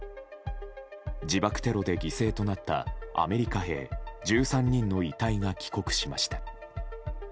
自爆テロで犠牲となったアメリカ兵１３人の遺体が帰国しました。